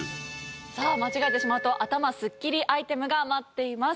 さあ間違えてしまうと頭スッキリアイテムが待っています。